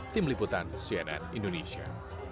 tim liputan cnn indonesia